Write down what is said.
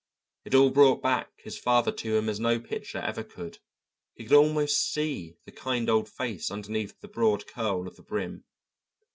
It all brought back his father to him as no picture ever could; he could almost see the kind old face underneath the broad curl of the brim.